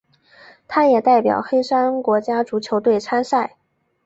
他也代表黑山国家足球队参赛。